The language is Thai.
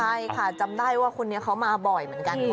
ใช่ค่ะจำได้ว่าคนนี้เขามาบ่อยเหมือนกัน